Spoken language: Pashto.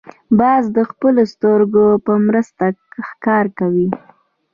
باز د خپلو سترګو په مرسته ښکار کوي